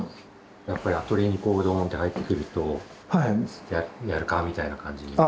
やっぱりアトリエにこうドーンって入ってくると「やるか」みたいな感じになる？